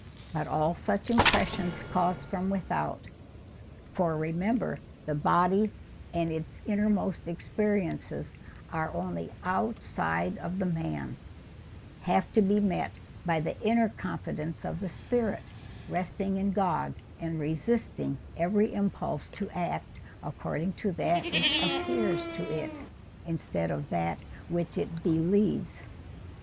But all such impressions caused from without—for, remember, the body and its innermost experiences are only OUTSIDE OF THE MAN—have to be met by the inner confidence of the spirit, resting in God and resisting every impulse to act according to that which APPEARS TO IT instead of that which IT BELIEVES.